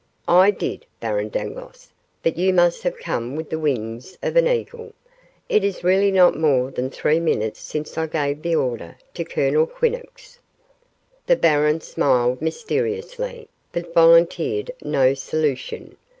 "I did, Baron Dangloss, but you must have come with the wings of an eagle. It is really not more than three minutes since I gave the order to Colonel Quinnox." The baron smiled mysteriously, but volunteered no solution.